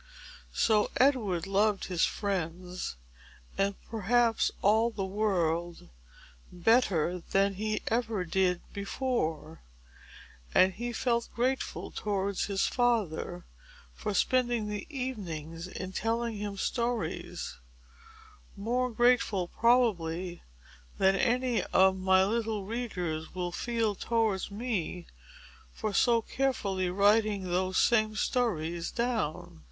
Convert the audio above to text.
So Edward loved his friends, and perhaps all the world, better than he ever did before. And he felt grateful towards his father for spending the evenings in telling him stories—more grateful, probably, than any of my little readers will feel towards me for so carefully writing those same stories down.